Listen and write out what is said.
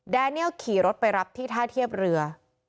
แนเนียลขี่รถไปรับที่ท่าเทียบเรือ